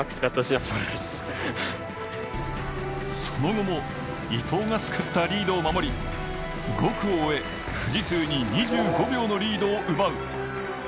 その後も伊藤が作ったリードを守り、５区を終え富士通に２５秒のリードを奪う。